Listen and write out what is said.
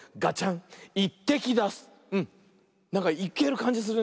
なんかいけるかんじするね。